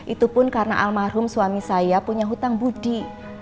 itu pun karena almarhum suami saya punya hutang budi